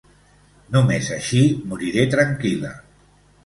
Només així moriré tranquil·la.